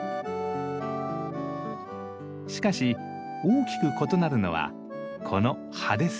しかし大きく異なるのはこの葉です。